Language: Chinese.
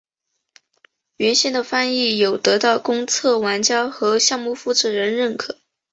原先的翻译有得到公测玩家和项目负责人认可。